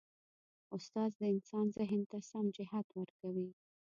استاد د انسان ذهن ته سم جهت ورکوي.